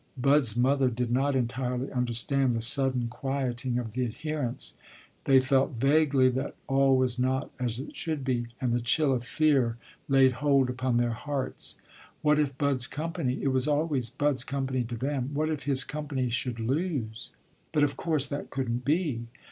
Bud's mother did not entirely understand the sudden quieting of the adherents; they felt vaguely that all was not as it should be, and the chill of fear laid hold upon their hearts. What if Bud's company (it was always Bud's company to them), what if his company should lose. But, of course, that couldn't be.